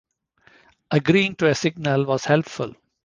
Agreeing to a signal was helpful.